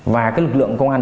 và cái lực lượng công an